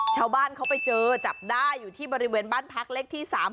ชาวบ้านเขาไปเจอจับได้อยู่ที่บริเวณบ้านพักเลขที่๓